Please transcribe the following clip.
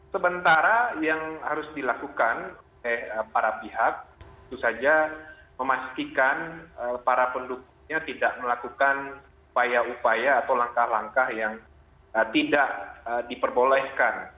sementara yang harus dilakukan oleh para pihak itu saja memastikan para pendukungnya tidak melakukan upaya upaya atau langkah langkah yang tidak diperbolehkan